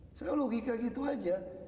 sekarang logika gitu aja